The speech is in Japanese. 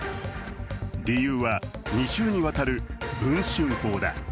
理由は２週に渡る文春砲だ。